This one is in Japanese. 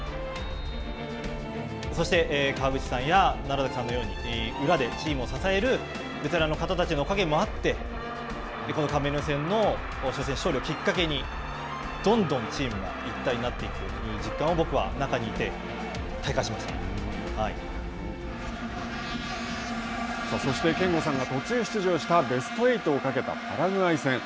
そして川口さんや楢崎さんのように、裏でチームを支えるベテランの方たちのおかげもあって、このカメルーン戦の初戦、勝利をきっかけに、どんどんチームが一体になっていく実感を僕はそして憲剛さんが途中出場した、ベスト８をかけたパラグアイ戦。